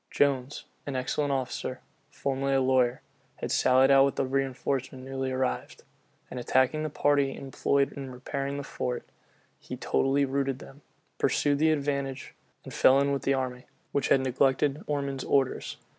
Jones, an excellent officer, formerly a lawyer, had sallied out with the reënforcement newly arrived; and attacking the party employed in repairing the fort, he totally routed them, pursued the advantage, and fell in with the army, which had neglected Ormond's orders.